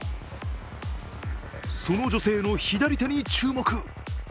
その女性の左手に注目。